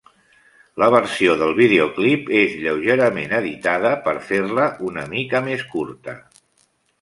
La versió del videoclip és lleugerament editada per fer-la una mica més curta.